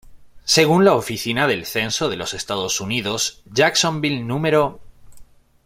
Según la Oficina del Censo de los Estados Unidos, Jacksonville No.